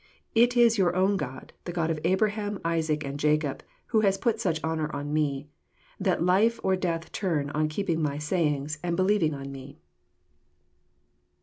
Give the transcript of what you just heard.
It is your own God, the God of Abraham, Isaac, and Jacob, who has put such honour on Me, that life or death turn on keeping My sayings, and believing on Me."